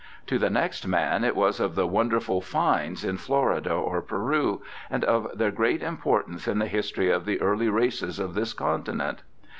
To the next man it was of the wonderful 'finds' in Florida or Peru, and of their great importance in the history of the early races of this continent.